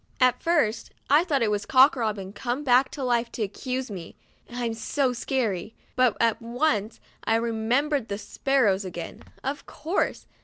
At first I thought it was Cock Robin come back to life to accuse me (I'm so scary), but at once I remembered — the spar rows again, of course.